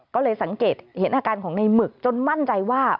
ก็เลยสังเกตเห็นอาการของในหมึกจนมั่นใจว่า